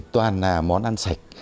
toàn là món ăn sạch